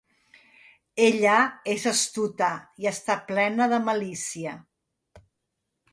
Ella és astuta i està plena de malícia.